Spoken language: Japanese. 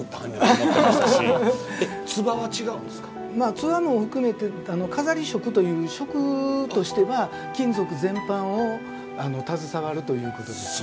鍔も含めて錺職という職としてまあ金属全般を携わるということですね。